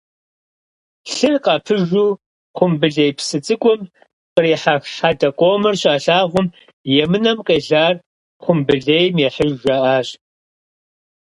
Лъыр къапыжу Хъумбылей псы цӀыкӀум кърихьэх хьэдэ къомыр щалъагъум «Емынэм къелар хъумбылейм ехьыж» жаӏащ.